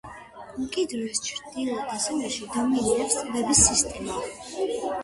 უკიდურეს ჩრდილო-დასავლეთში დომინირებს ტბების სისტემა.